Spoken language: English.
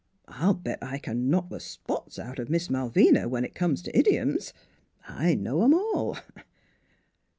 I'll bet I can knock the spots out of Miss Malvina, when it comes to idioms. I know 'em all."